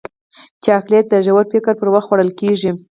چاکلېټ د ژور فکر پر وخت خوړل کېږي.